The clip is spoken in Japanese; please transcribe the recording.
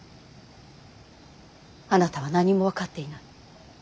あなたは何も分かっていない。